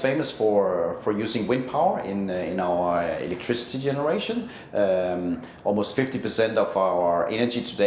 tapi denmark terkenal untuk menggunakan tenaga udara di negara kita